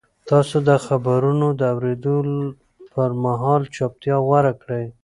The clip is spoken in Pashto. تاسو د خبرونو د اورېدو پر مهال چوپتیا غوره کړئ.